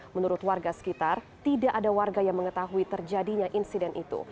menurut warga sekitar tidak ada warga yang mengetahui terjadinya insiden itu